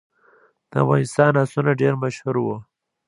د افغانستان آسونه ډیر مشهور وو